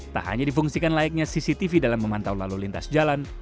tak hanya difungsikan layaknya cctv dalam memantau lalu lintas jalan